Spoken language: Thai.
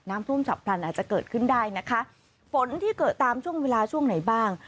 ทุ่มฉับพลันอาจจะเกิดขึ้นได้นะคะฝนที่เกิดตามช่วงเวลาช่วงไหนบ้าง